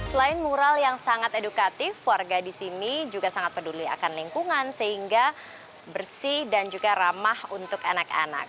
selain mural yang sangat edukatif warga di sini juga sangat peduli akan lingkungan sehingga bersih dan juga ramah untuk anak anak